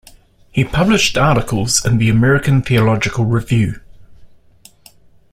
He published articles in the "American Theological Review".